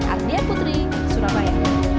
ardia putri surabaya